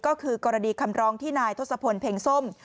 ก็คือกรณีคำร้องที่นายทศพลเพ็งส้ม